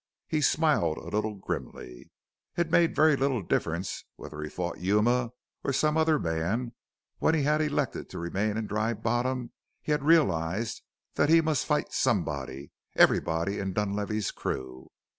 He smiled a little grimly. It made very little difference whether he fought Yuma or some other man; when he had elected to remain in Dry Bottom he had realized that he must fight somebody everybody in the Dunlavey crew.